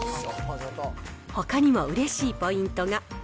ほかにもうれしいポイントが。